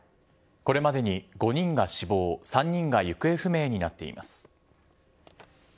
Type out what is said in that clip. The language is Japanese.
これまでに５人が死亡、３人が行方不明になっています。